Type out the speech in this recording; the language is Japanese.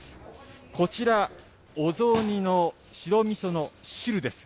こちら、お雑煮の白みその汁です。